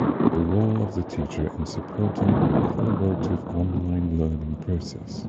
The role of the teacher in supporting a collaborative online learning process.